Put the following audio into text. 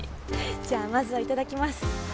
じゃあまずは頂きます！